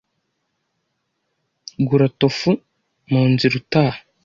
Gura tofu munzira utaha.